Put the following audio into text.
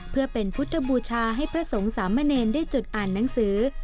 เพื่อเป็นพุทธบูชาให้พระสงฆ์สามเณรได้จุดอ่านหนังสือ